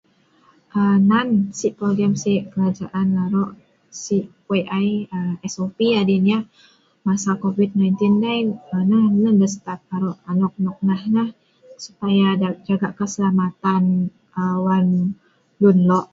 um nan sik program sik kerajaan arok sik we’ik ai um, SOP adin yeh. Masa covid-19 dei neh deh start arok nok nee neh. Supaya jaga keselamatan wan lun lok